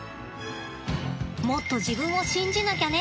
もっと自分を信じなきゃね。